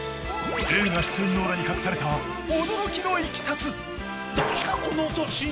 ［映画出演の裏に隠された驚きのいきさつ］